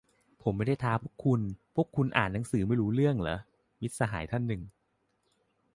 "ผมไม่ได้ท้าพวกคุณ พวกคุณอ่านหนังสือไม่รู้เรื่องหรอ" - มิตรสหายท่านหนึ่ง